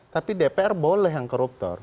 tapi dpr boleh yang koruptor